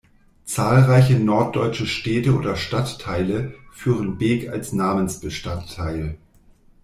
Zahlreiche norddeutsche Städte oder Stadtteile führen Bek als Namensbestandteil.